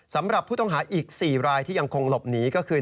สำหรับผู้ต้องหาอีก๔รายที่ยังคงหลบหนีก็คือ